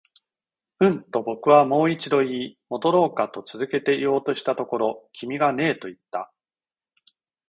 うん、と僕はもう一度言い、戻ろうかと続けて言おうとしたところ、君がねえと言った